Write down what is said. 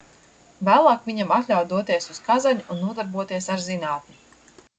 Vēlāk viņam atļāva doties uz Kazaņu un nodarboties ar zinātni.